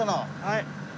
はい。